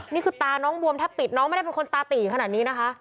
นี่คือตาน้องบวมแทบปิดน้องไม่ได้เป็นคนตาตีขนาดนี้นะคะ